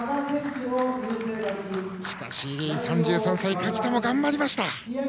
しかし、３３歳垣田も頑張りました。